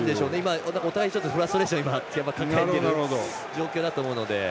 お互いフラストレーション抱えている状況だと思うので。